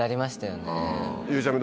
ゆうちゃみ